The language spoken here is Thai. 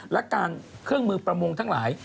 และการเครื่องมือประมงทั้งหลาย